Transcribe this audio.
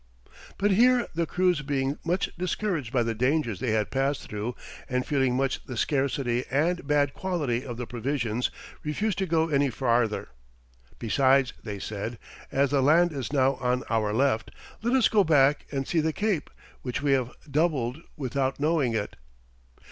But here the crews being much discouraged by the dangers they had passed through, and feeling much the scarcity and bad quality of the provisions, refused to go any farther. "Besides," they said, "as the land is now on our left, let us go back and see the Cape, which we have doubled without knowing it."